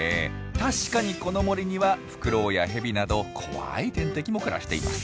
確かにこの森にはフクロウやヘビなど怖い天敵も暮らしています。